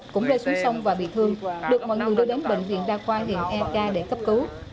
cũng rơi xuống sông và bị thương được mọi người đưa đến bệnh viện đa khoa huyện ek để cấp cứu